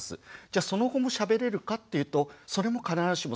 じゃその後もしゃべれるかっていうとそれも必ずしもそうではない。